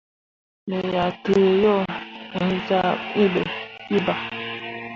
Me ah tǝǝ yo iŋ bah.